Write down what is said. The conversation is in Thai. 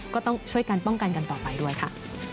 ก็ต้องช่วยกันป้องกันกันต่อไปด้วยค่ะ